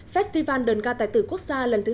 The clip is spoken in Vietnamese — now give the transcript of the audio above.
festival đơn ca tài tử quốc gia lần thứ sáu